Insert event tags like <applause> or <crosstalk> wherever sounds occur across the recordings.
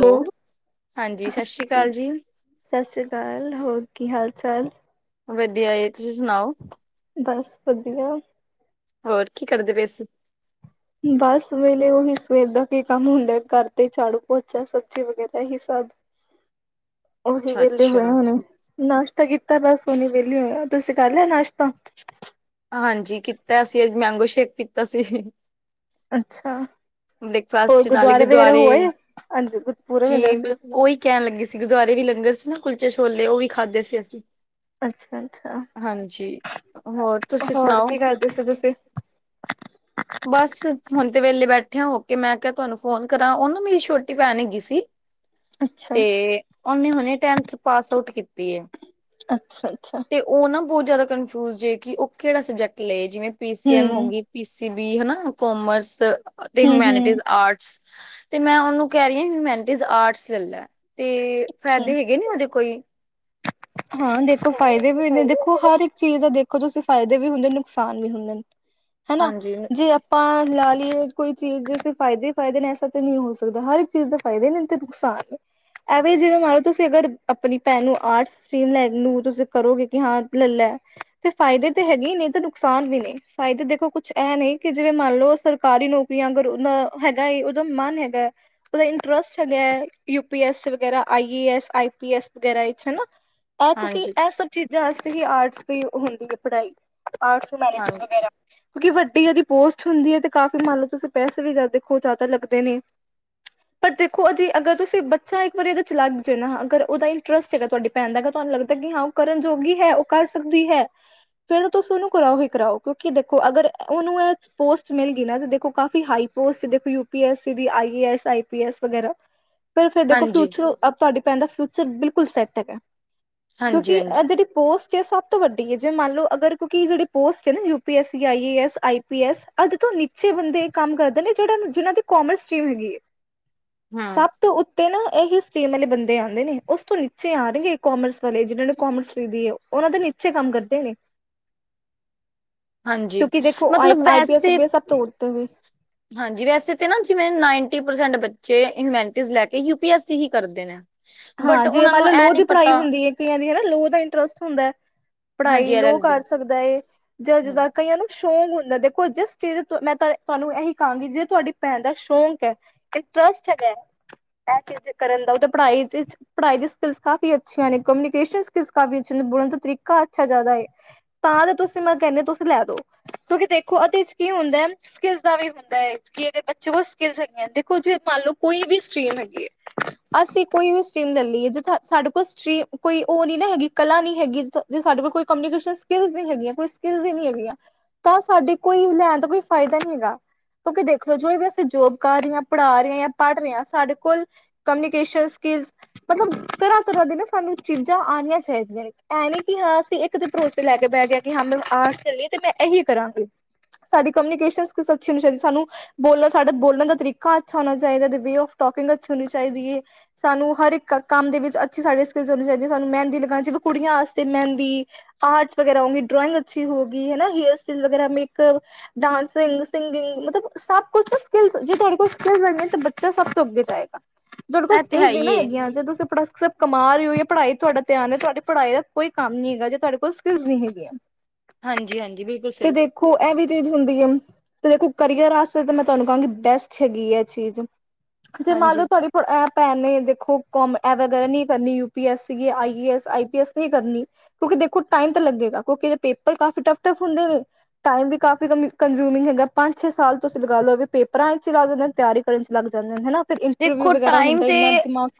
Hello ਹਾਂਜੀ ਸਸ੍ਰ ਰੀ੍ ਕਾਲ ਜੀ ਸਸ ਰੀ੍ ਕਾਲ ਹੋਰ ਕੀ ਹਾਲ ਚਾਲ ਵਧੀਆ ਏ ਤੁਸੀਂ ਸੁਣਾਓ ਬਸ ਵਧੀਆ ਹੋਰ ਕੀ ਕਰਦੇ ਪੇਏ ਸੀ ਬਸ ਵੇਲੇ ਉਹੀ ਸਵੇਰ ਦਾ ਕੀ ਕੰਮ ਹੁੰਦਾ ਕਰ ਤੇ ਝਾੜੂ ਪੋਚਾ ਸਬਜ਼ੀ ਵਗ਼ੈਰਾ ਏਹੀ ਸਭ <inaudible> ਉਹੀ ਅੱਛਾ ਵਿਹਲੇ ਹੋਏ ਅੱਛਾ ਹੁਣੇ ਏ ਨਾਸ਼ਤਾ ਕੀਤਾ ਬਸ ਹੁਣੇ ਵੇਲੇ ਹੋਆ ਤੁਸੀਂ ਕਰ ਲਿਆ ਨਾਸ਼ਤਾ ਆਜੀ ਕੀਤਾ ਸੀ ਏਜ ਮੈਂਗੋ ਸ਼ੇਕ ਪੀਤਾ ਸੀ ਅੱਛਾ ਆ ਬ੍ਰੇਕਫਾਸਟ ਹੋਰ ਚ ਨਾਲੇ ਗੁਰਦੁਆਰੇ ਵਗੈਰਾ ਹੋਏ ਆਜ ਗੁਰਪੂਬ ਹੇਗਾ ਜੀ ਸੀ ਈ ਮਤਲਬ ਉਹੀ ਕਹਿਣ ਲੱਗੀ ਸੀ ਗੁਰਦੁਆਰੇ ਵੀ ਲੰਗਰ ਸੀ ਨਾ ਕੁਲਚੇ ਛੋਲੇ ਐ ਉਹ ਵੀ ਖਾਧੇ ਸੀ ਅਸੀਂ ਵੈਨ ਛਾ ਹਾਂਜੀ ਹੋਰ ਤੁਸੀਂ ਈ ਸੁਣਾਓ ਦੱਸੋ ਦੱਸੇ ਏ ਬਸ ਹੁਣ ਤੇ ਵੇਲੀ ਈ ਬੈਠੇਆ ਹੋਕੇ ਮੈਂ ਕਿਹਾ ਤੁਹਾਨੂੰ ਫੋਨ ਕਰਾਂ ਉਹ ਨਾ ਮੇਰੀ ਛੋਟੀ ਭੈਣ ਹੈਗੀ ਸੀ ਤੇ ਅੱਛਾ ਓਨੇ ਹੁਣੇੇ ਟੈਨਥ ਪਾਸ ਆਊਟ ਕੀਤੀ ਏ ਅੱਛਾ ਆ ਅੱਛਾ ਆ ਤੂ ਉਹ ਨਾ ਬਹੁਤ ਜ਼ਿਆਦਾ ਕਨਫਿਊ ਜੇ ਕਿ ਉਹ ਕਿਹੜਾ ਸਬਜੈਕਟ ਲਏ ਜਿਵੇਂ ਪੀ ਸੀ ਹੂੰ ਐਮ ਹੋ ਗਈ ਪੀ ਸੀ ਤੀ ਬੀ ਹਨਾ ਕੋਮਰਸ ਹੂੰ ਹੂੰ ਹਿਮੈਨਿਟੀ ਆਰਟਸ ਤੇ ਮੈਂ ਉਹਨੂੰ ਕਹਿ ਰਹੀ ਹਿਮੈਨਿਟੀ ਆਰਟਸ ਲੈ ਲਾ ਆ ਤੇ ਅੱਛਾ। ਫਾਇਦੇ ਹੈਗੇ ਨੇ ਔਹਦੇ ਕੋਈ ਹਾਂ ਦੇਖੋ ਫਾਇਦੇ ਹਾਂਜੀ ਵੀ ਨੇ ਦੇਖੋ ਹਰ ਇੱਕ ਚੀਜ਼ ਦੇਖ ਓ ਕੁਝ ਉਸ ਫ਼ਾਇਦੇ ਵੀ ਹੁੰਦੇ ਨੁਕਸਾਨ ਵੀ ਹੁੰਦੇ ਨੇ ਹਨਾ ਹਾਂਜੀ ਜੇ ਆਪਾਂ ਲਾ ਲਈਏ ਕੋਈ ਚੀਜ਼ ਜੇ ਫਾਇਦੇ ਦੇ ਫਾਇਦੇ ਨੇ ਐਸਾ ਤਾਂ ਨਹੀਂ ਹੋ ਸਕਦਾ ਹਰ ਇੱਕ ਚੀਜ਼ ਦਾ ਫਾਇਦੇ ਨੇ ਤੇ ਨੁਕਸਾਨ ਨੇ ਐਵੇਂ ਜਿਵੇਂ ਮੰਨ ਲਓ ਤੁਸੀਂ ਅਗਰ ਆਪਣੀ ਭੈਣ ਨੂੰ ਆਰਟਸ ਸੀ ਲੈ ਨੂੰ ਤੁਸੀਂ ਕਰੋਗੇ ਕਿ ਹਾਂ ਲੈ ਲੈ ਐ ਤੇ ਫਾਇਦੇ ਤੇ ਹੈਗੇ ਨੇ ਤੇ ਨੁਕਸਾਨ ਵੀ ਨੇ ਫਾਏਦੇ ਦੇਖੋ ਕੁਛ ਐ ਨੇ, ਕਿ ਜਿਵੇਂ ਮੰਨ ਲਓ। ਸਰਕਾਰੀ ਨੌਕਰੀਆਂ ਅਗਰ ਹੁਨ ਹੈਗਾ ਏ, ਉਦਾ ਮਨ ਹੈਗਾ। ਓਦਾ ਇੰਟਰਸਟ ਹੈਗਾ, ਯੂ ਪੀ ਐਸ ਵਗੈਰਾ, ਆਈ A S I P S ਵਗੈਰਾ ਵਿੱਚ ਹਨਾ। ਆ, ਕਿਉਂਕਿ ਹਾਂਜੀ ਐ ਸਭ ਚੀਜ਼ਾਂ ਅਸਲੀ ਆਰਟਸ ਦੀ ਹੁੰਦੀ ਏ ਪੜ੍ਹਾਈ ਆਰਟਸ ਪੋਲਾਈਟ ਹਾਂਜੀ ਵਗੈਰਾ ਕਿਉਂਕਿ ਵੱਡੀ ਓਦੀ ਪੋਸਟ ਹੁੰਦੀ ਏ, ਤੇ ਕਾਫੀ ਮੰਨ ਲਓ, ਤੁਸੀਂ ਪੈਸੇ ਵੀ ਆ ਦੇਖੋ ਜੇਆਦਾ ਲੱਗਦੇ ਨੇ। ਪਰ ਦੇਖੋ ਅ ਜੇ ਅਗਰ ਤੁਸੀਂ ਬੱਚਾ ਏਕ ਵਾਰੀ ਇਦੇ ਚ ਲਗ ਜੇ ਨਾ, ਅਗਰ ਉਦਾ ਇੰਟਰਸਟ ਹੈਗਾ ਤੁਹਾਡੀ ਭੈਣ ਦਾ ਅਗਰ ਤੁਹਾਨੂੰ ਲੱਗਦਾ ਕਿ ਹਾਂ ਉਹ ਕਰਨ ਜੋਗੀ ਹੈ, ਉਹ ਕਰ ਸਕਦੀ ਹੈ। ਫੇਰ ਤੁਸੀ ਉਨੂੰ ਕਰਾਓ ਹੀ ਕਰਾਓ। ਕਿਉਂਕਿ ਦੇਖੋ ਅਗਰ ਉਨੂੰ ਏ ਪੋਸਟ ਮਿਲ ਗਈ ਨਾ, ਤੇ ਦੇਖੋ ਕਾਫੀ ਹਾਈ ਪੋਸਟ ਦੇਖੋ ਯੂ ਪੀ ਐੱਸ ਸੀ ਦੀ, I A S, I P S ਵਗੈਰਾ <inaudible> ਤੇ ਫੇਰ ਦੇਖੋ, ਹਾਂਜੀ ਫਿਊਚਰ ਤੁਹਾਡੀ ਭੈਣ ਦਾ ਫਿਊਚਰ ਬਿਲਕੁਲ ਸੈੱਟ ਹੈਗਾ। ਹਾਂਜੀ ਕਿਉਂਕਿ ਅ ਜੇੜੀ ਪੋਸਟ ਚਾਏ ਸਭ ਤੋਂ ਵੱਡੀ ਏ, ਜੇ ਮੰਨ ਲੋ ਅਗਰ ਕਿਉਂਕਿ ਜੇੜੀ ਪੋਸਟ ਏ ਨਾ ਯੂ ਪੀ ਏ ਸੀ, ਆਈ ਈ ਏ ਏਸ, ਆਈ ਪੀ ਐਸ। ਅੱਜ ਤੋਂ ਨੀਚੇ ਬੰਦੇ ਕੰਮ ਕਰਦੇ ਨੇ, ਜਿਹੜਾ ਨੂੰ ਜਿਹਨਾਂ ਚ ਕੋਮਰਸ ਸਟਰੀਮ ਹੈਗੀ ਏ। ਹਮ ਸਭ ਤੋਂ ਉੱਤੇ ਨਾ ਏਹੀ ਸਟੇਮ ਵਾਲੇ ਬੰਦੇ ਆਂਦੇ ਨੇ, ਉਸ ਤੋਂ ਨੀਚੇ ਆਨਗੇ। ਕੋਮਰਸ ਵਾਲੇ ਜਿਹਨਾਂ ਨੇ ਕੋਮਰਸ ਲਦੀਏ, ਉਨਾਂ ਦੇ ਨੀਚੇ ਕੰਮ ਕਰਦੇ ਨੇ। ਹਾਂਜੀ ਕਿਉਂਕਿ ਦੇਖੋ ਆਈ ਮਤਲਬ ਆਈ ਪੀ ਐਸ ਵੈਸੇ ਵੇ, ਸਭ ਤੋ ਉੱਤੇ ਵੇ। ਹਾਂਜੀ, ਵੈਸੇ ਤੇ ਨਾ ਜਿਵੇਂ ਨਾਈਨਟੀ ਪਰਸੈਂਟ ਬੱਚੇ ਇਨਵੈਂਟਿਸ ਲੈਕੇ ਯੂ ਪੀ ਐਸ ਚ ਸੀ ਹੀ ਕਰਦੇ ਨੇ। ਹਾਂ, ਬਟ ਜੇ ਉਹਨਾਂ ਮੰਨ ਨੂੰ ਲੋ, ਇਹ ਲੌ ਨੀ ਦੀ ਪੜ੍ਹਾਈ ਪਤਾ ਹੁੰਦੀ ਏ, ਕਈਆਂ ਦੀ ਹਨਾ ਲੌ ਦਾ ਇੰਟਰਸਟ ਹੁੰਦਾ ਏ। ਪੜ੍ਹਾਈ ਹਾਂਜੀ ਐਲ ਲੌ ਐਲ ਬੀ ਕਰ ਸਕਦਾ ਏ, ਜਾਂ ਹਮ ਜਿੱਦਾਂ ਕਈਆਂ ਨੂੰ ਸ਼ੌਕ ਹੁੰਦਾ ਦੇਖੋ, ਜਿਸ ਚੀਜ਼ ਮੈਂ ਤੁਹਾਨੂੰ ਐਹੀ ਕਹਾਂਗੀ, ਜੇ ਤੁਹਾਡੀ ਭੈਣ ਦਾ ਸ਼ੌਂਕ ਏ। ਇਨਟਰਸਟ ਹੈਗਾ, ਐ ਚੀਜ ਕਰਨ ਦਾ ਓ ਤੇ ਪੜ੍ਹਾਈ ਤੇ ਇਦੇ ਪੜ੍ਹਾਈ ਦੇ ਸਕਿਲਸ ਕਾਫੀ ਅੱਛੀਆਂ ਨੇ, ਕਮਿਊਨੀਕੇਸ਼ਨ ਸਕਿਲਸ ਕਾਫੀ ਅਛੀਆਂ ਨੇ, ਬੋਲਨ ਦਾ ਤਰੀਕਾ ਅੱਛਾ ਜੇਆਦਾ ਏ। ਤਾਂ ਤੁਸੀਂ ਮੈਂ ਕਹਿੰਦੇ ਹੋ ਤੁਸੀਂ ਲੈ ਦੋ, ਕਿਉਂਕਿ ਦੇਖੋ ਉਦੇ ਚ ਕੀ ਹੁੰਦਾ ਏ। ਸਕਿਲੇਸ ਦਾ ਵੀ ਹੁੰਦਾ ਏ, ਕਿ ਇਦੇ ਬੱਚੇ ਸਕਿਲਸ ਹੈਗੀਆਂ, ਦੇਖੋ ਜੇ ਮੰਨ ਲਓ ਕੋਈ ਵੀ ਸਟਰੀਮ ਹੈਗੀ ਏ। ਅਸੀਂ ਕੋਈ ਵੀ ਸਟਰੀਮ ਲੈ ਲਈਏ, ਜਿੱਥੇ ਸਾਡੇ ਕੋਲ ਸਟਰੀਮ ਕੋਈ ਓ ਨੀ ਨਾ ਹੈਗੀ, ਕਲਾ ਨਹੀਂ ਹੈਗੀ ਜ ਜੇ ਸਾਡੇ ਕੋਲ ਕੋਈ ਕਮਿਊਨੀਕੇਸ਼ਨ ਸਕਿਲਸ ਨੀ ਹੈਗੀਆਂ, ਕੋਈ ਸਕਿਲਸ ਹੀ ਨੀ ਹੈਗੀਆਂ, ਤਾਂ ਸਾਡੇ ਕੋਈ ਲੈਨ ਦਾ ਕੋਈ ਫਾਏਦਾ ਨਈ ਹੈਗਾ। ਕਿਉਂਕਿ ਦੇਖ ਲਓ, ਜੋ ਵੀ ਅਸੀਂ ਜੋਬ ਕਰ ਰੇਅ ਆਂ, ਪੜ੍ਹਾ ਰੇਆ ਜਾਂ ਪੜ੍ਹ ਰੇਆ ਸਾਡੇ ਕੋਲ ਕਮਿਨੀਕੇਸ਼ਨ ਸਕਿਲਸ ਮਤਲਬ ਤਰ੍ਹਾਂ - ਤਰ੍ਹਾਂ ਦੀ ਨਾ, ਸਾਨੂੰ ਚੀਜ਼ਾਂ ਆਨੀਆਂ ਚਾਹੀਦੀਆਂ ਨੇ। ਐ ਨੀ ਕਿ ਹਾਂ, ਅਸੀਂ ਏਕ ਤੇ ਭਰੋਸੇ ਲੈ ਕੇ ਬੇਅ ਗੇਆ, ਕਿ ਹਾਂ ਮੈਨੂੰ ਆਰਟਸ ਲਲੀਏ ਤੇ ਮੈਂ ਏਹੀ ਕਰਾਂਗੀ। ਸਾਡੀ ਕਮਿਨੀਕੇਸ਼ਨ ਸਕਿਲਸ ਬਸ ਅੱਛੀ ਹੋਨੀ ਚਾਹੀਦੀ ਸਾਨੂੰ। ਬੋਲਨ ਸਾਡਾ ਬੋਲਨ ਦਾ ਤਰੀਕਾ ਅੱਛਾ ਹੋਨਾ ਚਾਹੀਦਾ। ਤੇ ਵੇ ਆਫ ਟੋਕਿੰਗ ਅੱਛੀ ਹੋਨੀ ਚਾਹੀਦੀ ਏ। ਸਾਨੂੰ ਹਰ ਇੱਕ ਕੰਮ ਦੇ ਵਿੱਚ ਅੱਛੀ ਸਾਰੀਆਂ ਸਕਿਲਸ ਹੋਨੀ ਚਾਹੀਦੀਆਂ। ਸਾਨੂੰ ਮਹਿੰਦੀ ਲਗਾਨੀ ਚਾਈ ਵੇ, ਕੁੜੀਆਂ ਆਸਤੇ ਮਹਿੰਦੀ ਆਰਟਸ ਵਗੈਰਾ ਹੋਗੀ, ਡਰੋਇਗ ਅੱਛੀ ਹੋਗੀ ਹਨਾ। ਹੇਅਰ ਸਟਾਈਲ ਵਗੈਰਾ ਮੇਕ ਡਾਂਸਿੰਗ ਸਿੰਗਿੰਗ ਮਤਲਬ ਸਭ ਕੁਛ ਸਕਿਲਸ, ਜੇ ਤੁਹਾਡੇ ਕੋਲ ਸਕਿੱਲਸ ਹੈਗੀਆਂ ਤਾਂ ਬੱਚਾ ਸਭ ਤੋਂ ਅੱਗੇ ਜਾਏਗਾ। <inaudible> ਤੁਹਾਡੇ ਕੋਲ ਹੈ ਸਕਿਲਸ ਨੀਂ ਹੀ ਨਾ ਏ। ਹੈਗੀਆਂ। ਜਾ ਤੁਸੀਂ ਅਪਨਾ ਸਭ ਕਮਾ ਰਹੇ ਹੋ, ਜਾਂ ਪੜ੍ਹਾਈ ਤੁਹਾਡਾ ਧਿਆਨ ਏ, ਤੁਹਾਡੀ ਪੜ੍ਹਾਈ ਦਾ ਕੋਈ ਕੰਮ ਨੀ ਹੈਗਾ, ਜੇ ਤੁਹਾਡੇ ਕੋਲ ਸਕਿਲਜ਼ ਨੀ ਹੈਗੀਆਂ। ਹਾਂਜੀ - ਹਾਂਜੀ ਬਿਲਕੁਲ ਸਹੀ। ਖੋ, ਐ ਵੀ ਚੀਜ਼ ਹੁੰਦੀ ਏ। ਤੇ ਦੇਖੋ, ਕਰੀਅਰ ਆਸੇ ਤਾਂ ਮੈਂ ਤੁਹਾਨੂੰ ਕਹਾਂਗੀ। ਬੈਸਟ ਹੈਗੀ ਏ ਚੀਜ਼ ਜੇ ਮੰਨ ਹਾਂਜੀ ਲਓ। ਤੁਹਾਡੀ ਕੋਲ ਐ ਭੈਣ ਨੇ ਦੇਖੋ ਕੋਮ ਐ ਵਗੈਰਾ ਨਈ ਕਰਨੀ, ਯੂ ਪੀ ਐਸ ਸੀਗੀ, ਆਈ ਈ ਏ ਏਸ, ਆਈ ਪੀ ਐਸ ਨਈ ਕਰਨੀ। ਕਿਉਂਕਿ ਦੇਖੋ, ਟਾਈਮ ਤਾਂ ਲੱਗੇਗਾ। ਕਿਉਂਕਿ ਪੇਪਰ ਕਾਫੀ ਟਫ- ਟਫ ਹੁੰਦੇ ਨੇ। ਟਾਈਮ ਵੀ ਕਾਫੀ ਕੰ- ਕੰਜੂਮਿੰਗ ਹੈਗਾ, ਪੰਜ ਛੇ ਸਾਲ ਤੁਸੀਂ ਲਗਾ ਲਓ, ਏਵੀ ਪੇਪਰਾਂ ਵਿੱਚ ਲਗਦੇ ਤੇਆਰੀ ਕਰਨ ਲੱਗ ਜਾਂਦੇ ਹਨਾ। ਫਿਰ ਇੰਟਰਵਿਊ ਦੇਖੋ ਵਗੈਰਾ ਹੁੰਦ ਟਾਈਮ ਤੇ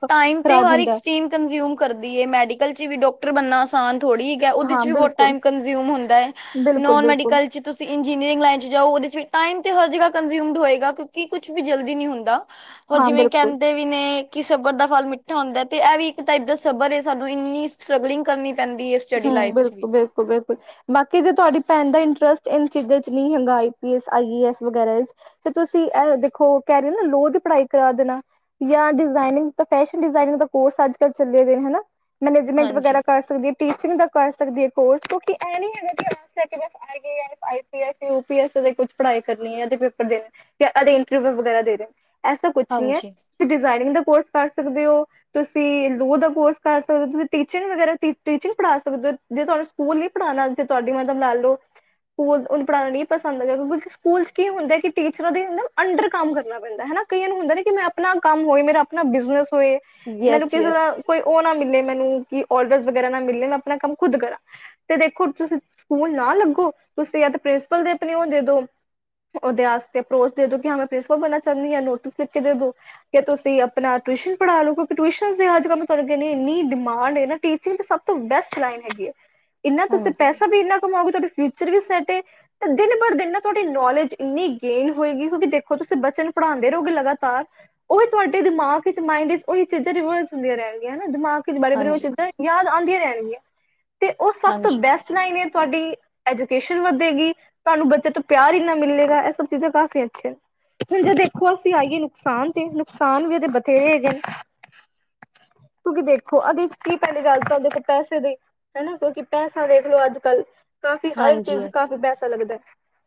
ਟਾਈਮ ਤੇ ਹਰ ਇੱਕ ਚੀ ੲਇਨ ਕੰਜ਼ਿਊਮ ਕਰਦੀ ਐ, ਮੈਡੀਕਲ ਚ ਵੀ ਡਾਕਟਰ ਬਣਨਾ ਆਸਾਨ ਥੋੜ੍ਹੀ ਉਹਦੇ ਹਾਂ ਚ ਵੀ ਬਹੁਤ ਬਿਲਕੁਲ, ਟਾਈਮ ਕੰਜਿਊਮ ਹੁੰਦਾ ਹੈ, ਬਿਲਕੁਲ, ਨੋਨ ਬਿਲਕੁਲ ਮੈਡੀਕਲ ਚ ਤੁਸੀਂ ਇੰਜੀਨੀਅਰਿੰਗ ਲਨ ਚ ਜਾਓ ਵਿਚ ਟਈਮ ਤੇ ਹਰ ਜਾਗਾ ਕੰਜਊਮਡ ਹੋਗਾ ਕਿਉਂਕਿ ਕੁਛ ਵੀ ਜਲਦੀ ਨ ਹੁੰਦਾ। ਹੋਰ ਹਾਂ ਜਿਵੇਂ ਬਿਲਕੁਲ। ਕਹਿੰਦੇ ਨੇ ਕਿ ਸੱਬਰ ਦਾ ਫਲ ਮਿੱਠਾ ਹੁੰਦਾ ਐ, ਤੇ ਇਹ ਵੀ ਇੱਕ ਟਾਈਪ ਦਾ ਸੱਬਰ ਏ ਸਾਨੂੰ ਇੰਨੀ ਸਟਰਗਲਿੰਗ ਕਰਨੀ ਪੈਂਦੀ ਹੈ ਸਟੱਡੀ ਹੂੰ ਲਾਈਫ 'ਚ ਵੀ ਬਿਲਕੁਲ -ਬਿਲਕੁਲ -ਬਿਲਕੁਲ। ਬਾਕੀ ਜੇ ਤੁਹਾਡੀ ਭੈਣ ਦਾ ਇੰਟਰਸਟ ਇਨ ਚੀਜ਼ਾਂ ਚ ਨਹੀਂ ਹੈਗਾ ਆਈ ਪੀ ਆਈ ਏਸ ਵਗੈਰਾ ਵਿੱਚ ਤੇ ਤੁਸੀਂ ਅ ਦੇਖੋ ਕਹਿ ਰਹੇ ਹੋ ਨਾ ਲੋਹ ਦੀ ਪੜ੍ਹਾਈ ਕਰਾ ਦੇਣਾ ਜਾਂ ਡਿਜ਼ਾਇਨਿੰਗ ਤਾਂ ਫੈਸ਼ਨ ਡਿਜ਼ਾਇਨਿੰਗ ਦਾ ਕੋਰਸ ਅੱਜ-ਕੱਲ ਚੱਲੇ ਵੇ ਨੇ ਹਨਾ। ਮੈਨੇਜਮੈਂਟ ਵਗੈਰਾ ਕਰ ਸਕਦੀ ਹੈ ਟੀਚਿੰਗ ਦਾ ਕਰ ਸਕਦੀ ਹੈ ਕੋਰਸ, ਕਿਉਂਕਿ ਇਹ ਨੀ ਹੈਗਾ ਕੀ ਅਨ ਸੈਟੀ ਹੈਗੇ ਐ I P S, U P S ਦੇ ਕੁਛ ਪੜ੍ਹਾਈ ਕਰਨੀ ਐ ਏਦੇ ਪੇਪਰ ਦੇਣੇ ਤੇ ਐਦੀ ਇੰਟਰਵਿਊ ਵਗੈਰਾ ਦੇਦੇ ਐਸਾ ਕੁਛ ਨੀ ਐ। ਹਾਂਜੀ-ਹਾਂਜੀ ਤੁ ਡਿਜ਼ਾਇਨਿੰਗ ਦਾ ਕੋਰਸ ਕਰ ਸਕਦੇ ਓ ਤੁਸੀ ਲੋਹ ਦਾ ਕੋਰਸ ਕਰ ਸਕਦੇ ਓ, ਤੁਸੀਂ ਟੀਚਿੰਗ ਵਗੈਰਾ ਟੀ ਟੀਚਿੰਗ ਪੜਾ ਸਕਦੇ ਓ, ਜੇ ਤੁਹਾਨੂੰ ਸਕੂਲ ਨ ਪੜ੍ਹਾਣਾ ਜੇ ਤੁਹਾਡੀ ਮਤਲਬ ਲਾ ਲੋੋ ਸਕੂਲ ਉਹਨੂੰ ਪੜ੍ਹਾਣਾ ਨ ਨਈ ਪਸੰਦ ਹੈਗਾ ਸਕੂਲ ਚ ਕੀ ਹੁੰਦਾ ਕਿ ਟੀਚਰਾਂ ਦੇ ਅੰਡਰ ਕੰਮ ਕਰਨਾ ਪੈਂਦਾ ਹਨਾ। ਕਈਆਂ ਨੂੰ ਹੁੰਦਾ ਨਾ ਕਿ ਮੈਂ ਆਪਣਾ ਕੰਮ ਹੋਏ ਮੇਰਾ ਆਪਣਾ ਬਿਜਨਸ ਹੋਏ ਮੈਨੂੰ ਕਿਸੇ ਯੈਸ-ਯੈਸ ਤਰ ਕੋਈ ਉਹ ਨਾ ਮਿਲੇ ਮੈਨੂੰ ਕਿ ਅੋਡਰ ਵਗੈਰਾ ਨਾ ਮਿਲੇ ਮੈਂ ਆਪਣਾ ਕੰਮ ਖੁਦ ਕਰਾਂ। ਤੇ ਦੇਖੋ ਤੁਸੀਂ ਸਕੂਲ ਨਾ ਲੱਗੋ ਤੁਸੀਂ ਯ ਪ੍ਰਿੰਸੀਪਲ ਦੇ ਆਪਨੀ ਓ ਦੇ ਦੋ ਉਹਦੇ ਵਾਸਤੇ ਪਰੋਚ ਦੇ ਦੋ ਕਿ ਮੈਂ ਪ੍ਰਿੰਸਪਲ ਬਣਾ ਚਾਨੀਆ ਨੋਟਿਸ ਲਿਖ ਕੇ ਦੇ ਦੋ ਕਿ ਤੁਸੀਂ ਆਪਣਾ ਟਿਊਸ਼ਨ ਪੜ੍ਹਾ ਲਓ, ਕਿਉਂਕਿ ਟਿਊਸ਼ਨ ਅੱਜ-ਕੱਲ੍ਹ ਤੁਆਡੇ ਇੰਨੀ ਡਿਮਾਂਡ ਨਾ ਟੀਚਿੰਗ ਦੀ ਸਭ ਤੋਂ ਬੈਸਟ ਲਾਈਨ ਹੈਗੀ ਹੈ ਇੰਨਾ ਤੁਸੀਂ ਪੈਸਾ ਵੀ ਇੰਨਾ ਕਮਾਓਗੇ ਤੁਆਡੇ ਫਿਊਚਰ ਫਿਊਚਰ ਚ ਸਾਡੇ ਤੇ ਦਿਨ-ਬੜ-ਦਿਨ ਨਾ ਤੁਆਡੀ ਨੌਲੇਜ ਇੰਨੀ ਗੇਨ ਹੋਏਗੀ, ਕਿਉਕਿ ਦੇਖੋ ਤੁਸੀਂ ਬੱਚੇ ਨੂੰ ਪੜ੍ਹਾਉਂਦੇ ਰਹੋਗੇ ਲਗਾਤਾਰ ਓਈ ਤੁਆਡੇ ਦਿਮਾਗ ਚ, ਮਾਇੰਡ ਚ, ਓਈ ਚੀਜ਼ਾਂ ਰਿਵਰਸ ਹੁੰਦੀਆਂ ਰੈਣਗੀਆਂ ਹੈਨਾ, ਦਿਮਾਗ ਬਾਰ-ਬਾਰ ਓ ਚੀਜ਼ਾਂ ਯਾਦ ਆਨਦੀਆਂ ਰੈਣਗੀਆਂ, ਤੇ ਓ ਸਭ ਤੋਂ ਹਾਂਜੀ-ਹਾਂਜੀ-ਹਾਂਜੀ-ਹਾਂਜੀ ਬੈਸਟ ਲਾਈਨ ਐ, ਤੁਹਾਡੀ ਐਜੂਕੇਸ਼ਨ ਵਧੇਗੀ, ਤਾਨੂੰ ਬੱਚੇ ਤੋਂ ਪਿਆਰ ਈਨਾ ਮਿਲੇਗਾ, ਏ ਸਭ ਚੀਜ਼ਾਂ ਕਾਫ਼ੀ ਅੱਛੀਆਂ ਨੇ। ਹੁਣ ਜੇ ਦੇਖੋ, ਅਸੀਂ ਆਈਏ ਨੁਕਸਾਨ ਤੇ ਨੁਕਸਾਨ ਵੀ ਏਦੇ ਬਥੇਰੇ ਹੈਗੇ ਨੇ ਕੁ ਕੀ ਦੇਖੋ, ਅਦੇ 'ਚ ਕੀ ਪੈਲੀ ਗੱਲ ਤਾਂ ਦੇਖੋ ਪੈਸੇ ਦੀ ਹੈਨਾ, ਕਿਉਕੀ ਪੈਸਾ ਦੇਖਲੋ ਅੱਜ-ਕੱਲ ਕਾਫੀ ਹਰ ਚੀਜ਼, ਕਾਫੀ ਪੈਸਾ ਲੱਗਦਾ ਐ।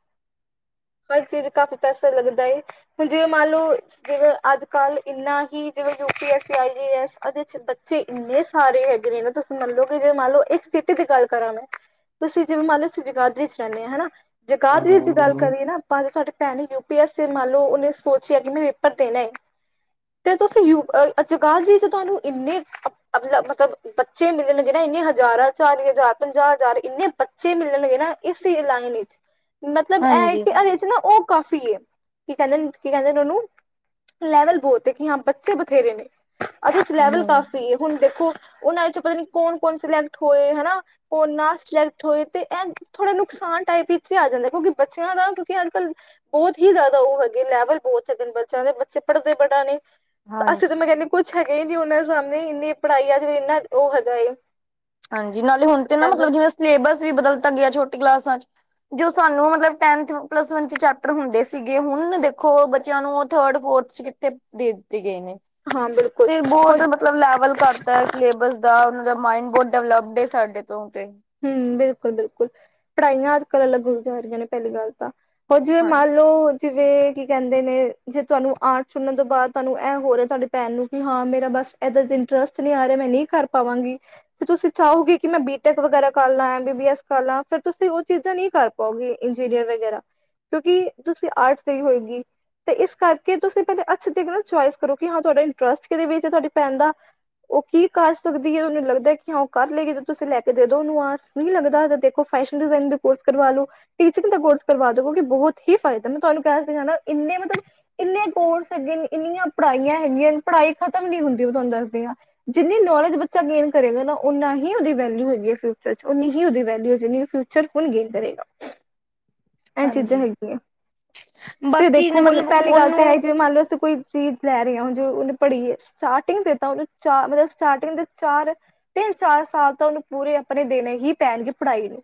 <inaudible> ਹਰ ਚੀਜ਼ ਕਾਫ਼ੀ ਪੈਸਾ ਲੱਗਦਾ ਏ, ਹੁਨ ਜੇ ਮੰਨ ਲੋ ਜਿਵੇਂ, ਅੱਜ-ਕੱਲ੍ਹ ਇੰਨਾ ਹੀ ਜਿਵੇਂ ਯੂ-ਪੀ-ਐੱਸ-ਆਈ-ਏ- ਐੱਸ ਏਦੇ 'ਚ ਬੱਚੇ ਈਨੇ ਸਾਰੇ ਹੈਗੇ ਨੇ ਨਾ, ਤੁਸੀਂ ਮੰਨਲੋ ਕਿ ਜੇ ਮੰਨ ਲੋ ਇੱਕ ਸਿਟੀ ਦੀ ਗੱਲ ਕਰਾਂ ਮੈਂ ਤੁਸੀਂ ਜਿਵੇਂ ਮੰਨ ਲੋ ਅਸੀਂ ਜਗਾਦਰੀ 'ਚ ਰੈਨੇ ਆ, ਹੈਨਾ ਜਗਾਦਰੀ ਦੀ ਗੱਲ ਕਰੀਏ ਨਾ ਪਰ ਤੁਆਡੀ ਭੈਣ ਨੇ ਯੂ-ਪੀ-ਐਸ-ਏ ਮਨ ਲੋ, ਉਨੇ ਸੋਚਿਆ ਕਿ ਮੈਂ ਪੇਪਰ ਦੇਣਾ ਏ। ਤੇ ਤੁਸੀ ਯੂਪ ਅ-ਅ-ਚ ਜਗਾਦੀ ਤੁਆਨੂੰ ਈਨੇ ਅਪ-ਅਲਪ ਮਤਲਬ ਬੱਚੇ ਮਿਲਜਣਗੇ ਨਾ, ਈਨੇ ਹਜ਼ਾਰਾਂ, ਚਾਲੀ ਹਜ਼ਾਰ, ਪੰਜਾਹ ਹਜ਼ਾਰ, ਇੰਨੇ ਬੱਚੇ ਮਿਲਜਣਗੇ ਨਾ ਇਸੀ ਈ ਲਾਈਨ ਚ ਮਤਲਬ ਐਏ ਹਾਂਜੀ। ਕਿ ਐਦੇ 'ਚ ਨਾ ਓ ਕਾਫੀ ਏ। ਕੀ ਕੈਨਦੇ ਨ, ਕੀ ਕੈਨਦੇ ਨੇ ਓਨੂੰ? ਲੈਵਲ ਬੋਲਦੇ ਕਿ ਹਾਂ ਬੱਚੇ ਬਥੇਰੇ ਨੇ। ਐਦੇ ਚ ਲੈਵਲ ਹੂੰ। ਕਾਫ਼ੀ ਏ, ਹੁਣ ਦੇਖੋ ਉਨਾ 'ਚ ਪਤਾ ਨੀ ਕੌਣ-ਕੌਣ ਸਿਲੈਕਟ ਹੋਏ, ਹ ਨਾ। ਓ ਨਾ ਸਿਲੈਕਟ ਹੋਏ, ਤੇ ਏ ਥੋੜ੍ਹੇ ਨੁਕਸਾਨ ਟਾਈਪ ਵਿਚ ਆ ਜਾਂਦਾ ਹੈ, ਕਿਉਂਕਿ ਬੱਚਿਆਂ ਦਾ ਕਿਉਂਕਿ ਅੱਜ-ਕੱਲ੍ਹ ਬੋਤ ਹੀ ਜਿਆਦਾ ਓ ਹੈਗੇ ਲੈਵਲ ਬੋਤ ਹੈਗੇ ਨੇ ਬੱਚਿਆਂ ਦੇ ਬੱਚੇ ਪੜ੍ਹਦੇ ਬੜਾ ਨੇ। ਅਸੀਂ ਹਾਂਜੀ, ਤਾਂ ਮੈਂ ਕੇਆ, ਕੁਛ ਹੈਗੇ ਈ ਨੀ ਓਨਾਂ ਸਾਮਨੇ, ਏਨੀ ਪੜ੍ਹਾਈ ਆਜੇ, ਏਨਾ ਓ ਹੈਗਾ ਏ ਹਾਂਜੀ, ਨਾਲੇ ਹੁਨ ਤੇ ਨਾ ਮਤਲਬ ਜਿਵੇਂ ਸਿਲੇਬਸ ਵੀ ਬਦਲਤਾ ਗਿਆ ਛੋਟੀ ਕਲਾਸਾਂ ਚ। ਜੋ ਸਾਨੂੰ ਮਤਲਬ ਟੈਨਥ, ਪਲੱਸ-ਵਨ ਚ ਚੈਪਟ ਹੁੰਦੇ ਸੀਗੇ, ਹੁਨ ਦੇਖੋ ਬੱਚਿਆਂ ਨੂੰ ਓ ਥਰਡ-ਫੋਰਥ ਚ <unintelligible> ਦੇ ਦਿੱਤੇ ਗੇ ਨੇ। ਹਾਂ, ਬਿਲ ਤੇ ਬੋਤ ਮਤਲਬ ਲੈਵਲ ਕਰ ਤਾ ਸਿਲੇਬਸ ਦਾ ਓਨਾਂ ਦਾ ਮਾਇੰਡ ਬੋਤ ਡਿਵਲਪਡ ਏ ਸਾਡੇ ਤੋਂ ਤੇ। ਹੂੰ, ਬਿਲਕੁਲ-ਬਿਲਕੁਲ ਪੜ੍ਹਾਈਆਂ ਅੱਜ-ਕੱਲ ਅਲੱਗ ਹੋ ਜਾ ਰੀਆ ਨੇ ਪੈਲੀ ਗੱਲ ਤਾਂ। ਓ ਜਿਵੇਂ ਮੰਨ ਹਾਂਜੀ, ਲੋ ਜਿਵੇਂ ਕੀ ਕੈਦੇ ਨੇ, ਜੇ ਤਹਾਨੂੰ ਆਟਸ ਸੁਨਣ ਤੋਂ ਬਾਦ ਤਾਨੂੰ ਐ ਹੋ ਰੇਆ ਤਾਡੇ ਭੈਣ ਨੂੰ ਕਿ ਹਾਂ ਮੇਰਾ ਬਸ ਏਦਾਂ ਦੇ ਇੰਟਰਸਟ ਨੀ ਆ ਰੇਆ, ਮੈਂ ਨੀ ਕਰ ਪਾਵਾਂਗੀ, ਤੇ ਤੁਸੀਂ ਚਾਓਗੇ ਕੀ ਮੈਂ ਬੀਟੈਕ ਵਗੈਰਾ ਕਰਲਾ ਐ, ਬੀ ਐਮ-ਬੀ-ਬੀ-ਐਸ ਕਰਲਾ, ਫੇਰ ਤੁਸੀਂ ਓ ਚੀਜ਼ਾਂ ਨੀ ਕਰ ਪਾਓਗੇ, ਇੰਜੀਨੀਅਰ ਵਗੈਰਾ। ਕਿਉਂਕਿ ਤੁਸੀਂ ਆਰਟ ਲਈ ਹੋਏਗੀ। ਤੇ ਇਸ ਕਰਕੇ ਤੁਸੀਂ ਕਦੇ ਅੱਛੇ ਤਰੀਕ ਨਾਲ ਚਇਸ ਕਰੋ ਕਿ ਹਾਂ ਤੁਆਡਾ ਇੰਟਰਸਟ ਕੀਦੇ ਵਿਚ ਐ, ਤੁਆਡੀ ਭੈਨ ਦਾ ਓ ਕੀ ਕਰ ਸਕਦੀ ਐ, ਉਨੂੰ ਲੱਗਦਾ ਕਿ ਹਾਂ ਓ ਕਰ ਲੇਗੀ, ਜੋ ਤੁਸੀਂ ਲੈ ਕੇ ਦੇ ਦੋ ਨੂੰ ਆਟਸ ਨ‌ਈ ਲੱਗਦਾ, ਤਾਂ ਦੇਖੋ ਫੈਸ਼ਨ ਡਿਜ਼ਾਇਨ ਦਾ ਕੋਰਸ ਕਰਵਾ ਲੋ। ਟੀਚਿੰਗ ਦਾ ਕੋਰਸ ਕਰਵਾ ਦੋ, ਕਿਉਂਕਿ ਬੋਹਤ ਹੀ ਫਾਇਦਾ, ਮੈਂ ਤੁਆਨੂੰ ਕਿਹਾ ਸੀ ਹਨਾ, ਐਨੇ ਮਤਬ ਏਨੇ ਕੋਰਸ ਹੈਗੇ ਨੇ, ਏਨੀਆਂ ਪੜ੍ਹਾਈਆਂ ਹੈਗੀਆਂ ਨ, ਪੜ੍ਹਾਈ ਖ਼ਤਮ ਨੀ ਹੁੰਦੀ ਮੈਂ ਤੁਆਨੂੰ ਦੱਸਦੀ ਆ। ਜਿੰਨੀ ਨੌਲੇਜ ਬੱਚਾ ਗੇਨ ਕਰੇਗਾ ਨਾ, ਓਨਾ ਹੀ ਓਦੀ ਵੈਲਿਊ ਹੈਗੀ ਐ। ਫਿਊਚਰ ਚ ਓਨੀ ਹੀ ਓਦੀ ਵੈਲਿਊ ਐ ਜਿਨੀ ਓ ਫਿਊਚਰ ਹੁਨ ਗੇਨ ਕਰੇਗਾ। ਐਹ ਚੀਜ਼ਾਂ ਹਾਂਜੀ ਹੈਗੀਆਂ, ਤੇ ਬਾਕੀ ਨੇ ਦੇਖੋ ਹੁਨ ਮਤਲਬ ਪੈਲੀ ਗੱਲ ਤਾਂ ਉਹਨੂੰ ਐ ਜਿਵੇਂ ਮੰਨ ਲੋ ਅਸੀਂ ਕੋਈ ਚੀਜ਼ ਲੈ ਰੀਐ, ਉਨ ਜੋ ਉਨੇ ਪੜ੍ਹੀਐ, ਸਟਾਟਿੰਗ ਦੇ ਤਾਂ ਓਨੂੰ ਚਾਰ, ਮਲਬ ਸਟਾਟਿੰਗ ਦੇ ਚਾਰ ਤਿੰਨ-ਚਾਰ ਸਾਲ ਤਾਂ ਓਨੂੰ ਪੂਰੇ ਆਪਣੇ ਦੇਨੇ ਹੀ ਪੈਨਗੇ ਪੜ੍ਹਾਈ ਨੂੰ,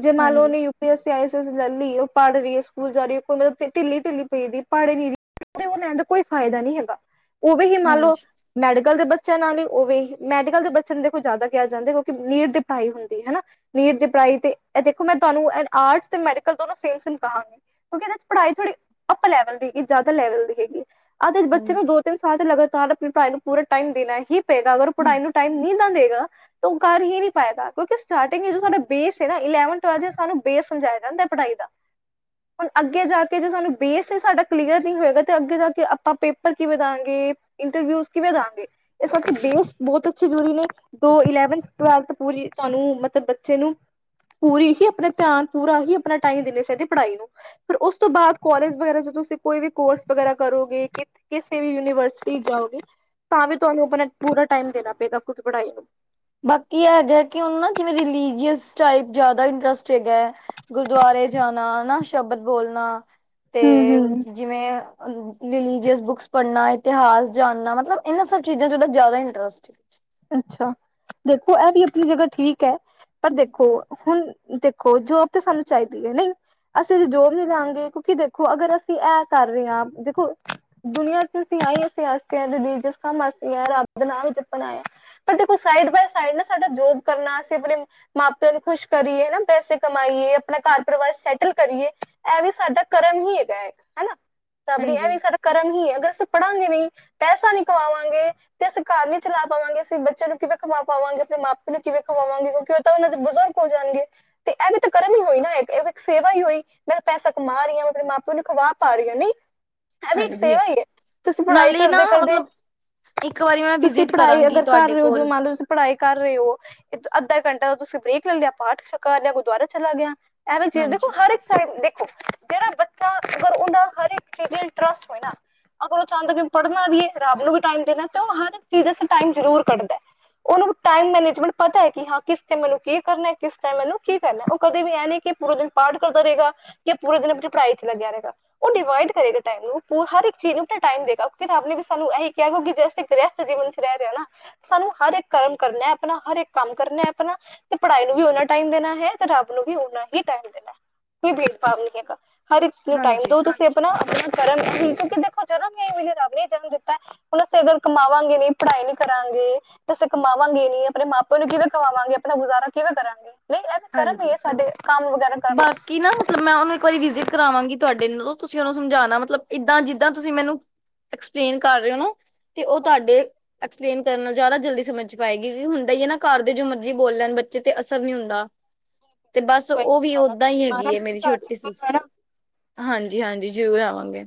ਜੇ ਮੰਨ ਲੋ ਹਾਂਜੀ, ਓਨੇ ਯੂਪ ਪੀ ਐਸੀ, ਆਈ ਏ ਐਸ ਲੈ ਲੀ ਏ, ਓ ਪੜ੍ਹ ਰੀ ਏ, ਸਕੂਲ ਜਾ ਰੀ ਐ, ਪ ਮਲਬ ਫਿ ਢਿੱਲੀ-ਢਿੱਲੀ ਪਈ ਦੀ ਏ, ਪੜੇ ਈ ਨੀ ਰੀ। <unintelligible> ਓ ਲੈਣ ਦਾ ਕੋਈ ਫਾਇਦਾ ਨੀ ਹੈਗਾ, ਓ ਵੀ ਹੀ ਮੰਨ ਲੋ ਹਾਂਜੀ, ਮੈਡੀਕਲ ਦੇ ਬੱਚਿਆਂ ਨਾਲ ਹੀ ਓ ਵੀ, ਮੈਡੀਕਲ ਦੇ ਬੱਚਿਆਂ ਦੇ ਨੂੰ ਦੇਖੋ ਜਾਦਾ ਕਿਹਾ ਜਾਂਦਾ, ਕਿਉਂਕਿ ਨੀਟ ਦੇ ਪੜਾਈ ਹੁੰਦੀ, ਹੈਨਾ। ਨੀਟ ਦੀ ਪੜਾਈ ਤੇ, ਐਹ ਦੇਖੋ ਮੈਂ ਤੁਹਾਨੂੰ ਐ ਆਰਟਸ ਤੇ ਮੈਡੀਕਲ ਦੋਨੋ ਸੇਮ-ਸੇਮ ਕਹਾਂਗੀ। ਕਿਉਂਕਿ ਏਦੇ ਚ ਪੜ੍ਹਾਈ ਥੋੜੀ ਅੱਪਰ ਲੈਵਲ ਦੀ ਹੈਗੀ ਜ਼ਿਆਦਾ ਲੈਵਲ ਦੀ ਹੈਗੀ ਏ। <unintelligible> ਬੱਚਾ ਨਾ ਹਾਂਜੀ। ਦੋ-ਤਿੰਨ ਸਾਲ ਤੇ ਲਗਾਤਾਰ ਆਪਣੀ ਪੜਾਈ ਨੂੰ ਪੂਰਾ ਟਾਈਮ ਦੇਣਾ ਹੀ ਪਏਗਾ ਅਗਰ ਓ ਪੜਾਈ ਨੂੰ ਟਾਈਮ ਨ‌ਈ ਨਾ ਦੇਗਾ ਤਾਂ ਓ ਕਰ ਹੀ ਨੀ ਪਏਗਾ ਕਿਉਂਕਿ ਟਾਰਟਿੰਗ ਏ ਜੋ ਸਾਡਾ ਬੇਸ ਐ ਨਾ ਇਲੈਵਨ-ਟਵੈਲਵ ਚ ਸਾਨੂੰ ਬੇਸ ਸਮਝਾਇਆ ਜਾਂਦਾ ਪੜਾਈ ਦਾ। ਹੁਣ ਅੱਗੇ ਜਾ ਕੇ ਜੋ ਸਾਨੂੰ ਬੇਸ ਏ ਸਾਡਾ ਕਲੀਅਰ ਨੀ ਹੋਏਗਾ ਤੇ ਅੱਗੇ ਜਾ ਕੇ ਆਪਾਂ ਪੇਪਰ ਕਿਵੇਂ ਦਾਅਗੇ। ਇੰਟਰਵਿਊਜ਼ ਕਿਵੇਂ ਦਾਅਗੇ, ਇਸ ਕਰਕੇ ਬੇਸ ਬਹੁਤ ਅੱਛੀ ਜਰੂਰੀ ਨੇ, ਤੋਂ ਇਲੈਵਨਥ-ਟਵੈਲਥ ਪੂਰੀ ਤੁਹਾਨੂੰ ਮਤਲਬ ਬੱਚੇ ਨੂੰ ਪੂਰੀ ਹੀ ਆਪਣੇ ਧਿਆਨ ਪੂਰਾ ਹੀ ਆਪਣਾ ਟਾਈਮ ਦੇਣੇ ਚ‌ਈਦੇ ਪੜਾਈ ਨੂੰ‌। ਫਿਰ ਉਸ ਤੋਂ ਬਾਦ ਕੋਲਜ ਵਗੈਰਾ ਤੁਸੀਂ ਕੋਈ ਵੀ ਕੋਰਸ ਵਗੈਰਾ ਕਰੋਗੇ ਕਿਸੇ ਵੀ ਯੂਨੀਵਰਸਿਟੀ ਜਾਓਗੇ ਤਾਂ ਵੀ ਤੁਹਾਨੂੰ ਆਪਣਾ ਪੂਰਾ ਟਾਈਮ ਦੇਣਾ ਪਏਗਾ <unintelligible> ਪੜਾਈ ਨੂੰ। ਬਾਕੀ ਐਹ ਗਾ ਕਿ ਓਨੂੰ ਨਾ ਜਿਵੇਂ ਰਿਲੀਜੀਅਸ ਟਾਈਪ ਜਾਦਾ ਇੰਟਰਸਟ ਚ ਹੈਗਾ ਗੁਰਦੁਆਰੇ ਜਾਣਾ ਹਨਾ ਸ਼ਬਦ ਬੋਲਣਾ ਤੇ ਹੂੰ-ਹੂੰ ਜਿਵੇਂ ਅ ਰਿਲੀਜ਼ਸ ਬੁੱਕਸ ਪੜਨਾ ਇਤਿਹਾਸ ਜਾਣਨਾ ਮਤਲਬ ਏਨਾਂ ਸਭ ਚੀਜ਼ਾਂ ਚ ਓਦਾ ਜਾਦਾ ਇੰਟਰਸਟ ਹੈ। ਅੱਛਾ ਦੇਖੋ ਐਹ ਵੀ ਆਪਣੀ ਜਗਾ ਠੀਕ ਐ, ਪਰ ਦੇਖੋ ਹੁਣ ਦੇਖੋ ਜੋਬ ਤੇ ਸਾਨੂੰ ਚਾਈਦੀ ਐ ਨ‌ਈ। ਅਸੀ ਤੇ ਜੋਬ ਨੀ ਲਾਂਗੇ ਕਿਉਂਕਿ ਦੇਖੋ ਅਗਰ ਅਸੀ ਐ ਕਰ ਰੇ ਆਂ ਦੇਖੋ ਦੁਨੀਆਂ ਚ ਅਸੀ ਆਏ ਐਸ ਆਸਤੇ <unintelligible> ਰੱਬ ਦਾ ਨਾਮ ਜਪਨ ਆਏ ਆਂ। ਪਰ ਦੇਖੋ ਸਾਈਡ ਬਾਏ ਸਾਈਡ ਨਾ ਸਾਡਾ ਜੋਬ ਕਰਨਾ ਅਸੀ ਅਪਣੇ ਮਾਂ ਪੇਓ ਨੂੰ ਖੁਸ਼ ਕਰੀਏ ਨਾ ਪੈਸੇ ਕਮਾਈਏ ਅਪਣਾ ਘਰ ਪਰਿਵਾਰ ਸੈਟਲ ਕਰੀਏ। ਐ ਵੀ ਸਾਡਾ ਕਰਮ ਹੀ ਹੈਗਾ ਐ ਏਕ। ਸਬਰੀ ਹਾਂਜੀ ਐਵੀ ਸਾਡਾ ਕਰਮ ਹੀ ਐ। ਅਗਰ ਅਸੀ ਪੜਾਂਗੇ ਨਈ, ਪੈਸਾ ਨੀ ਕਮਾਵਾਂਗੇ ਤੇ ਅਸੀ ਘਰ ਨੀ ਚਲਾ ਪਾਵਾਂਗੇ। ਬੱਚੇਆਂ ਨੂੰ ਕਿਵੇਂ ਖਮਾ ਪਾਵਾਂਗੇ ਅਪਣੇ ਮਾਪੇ ਨੂੰ ਕਿਵੇਂ ਖਵਾਵਾਂਗੇ ਕਿਉਂਕਿ ਉਹ ਤਾਂ ਓਨਾਂ ਚ ਬਜੁਰਗ ਹੋ ਜਾਨ‌ ਗੇ। ਤੇ ਐ ਵੀ ਤੇ ਕਰਮ ਹੀ ਹੋਏ ਨਾ, ਐਵੀ ਇੱਕ ਸੇਵਾ ਈ ਹੋਈ। ਮੈਂ ਪੈਸਾ ਕਮਾ ਰੀ ਆਂ, ਅਪਣੇ ਮਾਂ ਪੇਓ ਨੂੰ ਖਵਾ ਪਾ ਰੀ ਆਂ ਨੀ। ਐ ਵੀ ਇੱਕ ਹਾਂਜੀ ਸੇਵਾ ਈ ਐ। ਤੁਸੀ ਪੜਾਈ ਨਾਲੇ ਨਾ ਕਰਦੇ ਕਰਦੇ ਮਤਲਬ ਇੱਕ ਵਾਰੀ ਮੈਂ ਤੁਸੀ ਵਿਜਿਟ ਪੜਾਈ ਕਰਾਂਗੀ ਅਗਰ ਕਰ ਤੁਹਾਡੇ ਰਏ ਓ ਜੋ ਕੋਲ ਮੰਨ ਲਓ ਤੁਸੀ ਪੜਾਈ ਕਰ ਰਏ ਓ। ਅੱਧਾ ਇੱਕ ਘੰਟਾ ਦਾ ਤੁਸੀ ਬ੍ਰੇਕ ਲੇ ਲੇਆ ਪਾਠ ਕਰ ਲੇਆ ਗੁਰਦੁਆਰੇ ਚਲਾ ਗੇਆ। ਐਵੇਂ ਚੀਜ ਦੇਖੋ ਹਾਂਜੀ ਹਰੇਕ ਸਾਈ ਦੇਖੋ ਜੇੜਾ ਬੱਚਾ ਅਗਰ ਓਦਾ ਹਰ ਇੱਕ ਚੀਜ ਇੰਟਰਸਟ ਹੋਏ ਨਾ ਅਗਰ ਓ ਚਾੰਦਾ ਕਿ ਪੜਨਾ ਵੀ ਏ, ਰਬ ਨੂੰ ਵੀ ਟਾਈਮ ਦੇਣਾ ਤੇ ਓ ਹਰ ਇੱਕ ਚੀਜ ਆਸੇ ਟਾਈਮ ਜਰੂਰ ਕੱਢਦਾ ਐ। ਓਨਾਂ ਨੂੰ ਟਾਈਮ ਮੈਨੇਜਮੈਂਟ ਪਤਾ ਐ ਕਿ ਹਾਂ ਕਿਸ ਟੈਮ ਮੈਨੂੰ ਕੀ ਕਰਨਾ ਕਿਸ ਟਾਈਮ ਮੈਨੂੰ ਕੀ ਕਰਨਾ ਐ। ਓ ਕਦੇ ਵੀ ਐ ਨੀ ਕਿ ਪੂਰਾ ਦਿਨ ਪਾਠ ਕਰਦਾ ਰੇਗਾ ਯਾ ਪੂਰੇ ਦਿਨ ਅਪਨੀ ਪੜਾਈ ਚ ਲੱਗੇਆ ਰੇਗਾ। ਓ ਡਿਵਾਈਡ ਕਰੇਗਾ ਟਾਈਮ ਨੂੰ। ਓ ਹਰ ਇੱਕ ਚੀਜ ਨੂੰ ਅਪਨਾ ਟਾਈਮ ਦੇਗਾ। ਫੇਰ ਰਬ ਨੇ ਵੀ ਸਾਨੂੰ ਐਹੀ ਕੇਆ ਕਿਉਕਿ ਗ੍ਰਸਤ ਵਿਚ ਰੈ ਜੀਵਨ ਚ ਰੈ ਰੇਆ ਨਾ, ਸਾਨੂੰ ਹਰ ਏਕ ਕਰਮ ਕਰਨਾ ਆਪਨਾ ਹਰੇਕ ਕੰਮ ਕਰਨੈ ਆਪਨਾ। ਤੇ ਪੜਾਈ ਨੂੰ ਵੀ ਓਨਾ ਟਾਈਮ ਦੇਨਾ ਹੈ, ਤੇ ਰੱਬ ਨੂੰ ਵੀ ਓਨਾ ਹੀ ਟਾਈਮ ਦੇਨਾ ਹੈ। ਕੋਈ ਭੇਦਭਾਵ ਨੀ ਹੈਗਾ। ਹਰ ਇੱਕ ਨੂੰ ਟਾਈਮ ਹਾਂਜੀ ਦਓ ਤੁਸੀ ਅਪਨਾ ਆਪਣਾ ਕਰਮ ਹੀ ਕਿਉਂਕਿ ਦੇਖੋ ਜਦੋਂ ਮੈਨੂੰ ਰਬ ਨੇ ਜਨਮ ਦਿੱਤਾ ਐ, ਹੁਣ ਅਸੀ ਅਗਰ ਕਮਾਵਾਂਗੇ ਨੀ ਪੜਾਈ ਨੀ ਕਰਾਂਗੇ ਦੇ ਅਸੀ ਕਮਾਵਾਂਗੇ ਨੀ ਅਪਣੇ ਮਾਂ ਪੇਓ ਨੂੰ ਕਿਵੇਂ ਖਵਾਵਾਂਗੇ ਅਪਣਾ ਗੁਜ਼ਾਰਾ ਕਿਵੇਂ ਕਰਾਂਗੇ? ਨਈ ਐ ਤੇ ਕਰਮ ਈਐ ਹਾਂਜੀ ਸਾਡੇ ਕੰਮ ਵਗੈਰਾ ਕਰਨਾ। ਬਾਕੀ ਨਾ ਮਤਲਬ ਮੈਂ ਓਨੂੰ ਇੱਕ ਵਾਰੀ ਵਿਜ਼ਿਟ ਕਰਵਾਵਾਂਗੀ ਤੁਆਡੇ ਨੂੰ ਤੁਸੀਂ ਓਨੂੰ ਸਮਝਾਣਾ ਮਤਲਬ ਇਦਾਂ ਜਿੱਦਾਂ ਤੁਸੀ ਮੈਨੂੰ ਐਕਸਪਲੇਨ ਕਰ ਰੇ ਓਨਾਂ, ਤੇ ਓ ਤਾਡੇ ਐਕਸਪਲੇਨ ਕਰਨ ਨਾਲ ਜਾਦਾ ਜਲਦੀ ਸਮਝ ਪਾਏਗੀ। ਕਿਉਂਕਿ ਹੁੰਦਾ ਈ ਐ ਨਾ ਘਰ ਦੇ ਜੋ ਮਰਜੀ ਬੋਲ ਲੈਣ ਬੱਚੇ ਤੇ ਅਸਰ ਨੀ ਹੁੰਦਾ। ਤੇ ਬਸ ਕੋਈ ਨੀ ਓਵੀ ਆਣਾ ਓਦਾਂ ਤੁਸੀਂ ਈ ਹੈਗੀ ਆਣਾ ਏ ਤੁਸੀਂ ਮੇਰੀ ਘਰ ਛੋਟੀ ਚੱਕਰ ਲਾਣਾ ਸਿਸਟਰ। ਹਾਂਜੀ ਹਾਂਜੀ ਜਰੂਰ ਆਵਾਂਗੇ।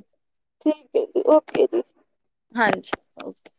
ਠੀਕ ਏ ਜੀ, ਓਕੇ ਜੀ। ਹਾਂਜੀ ਓਕੇ।